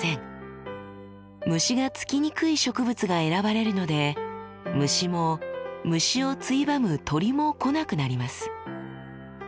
虫がつきにくい植物が選ばれるので虫も虫をついばむ鳥も来なくなります。